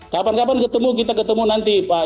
kapan kapan ketemu kita ketemu nanti pak